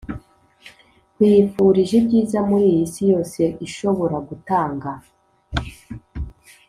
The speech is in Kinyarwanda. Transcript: nkwifurije ibyiza muri iyi si yose ishobora gutanga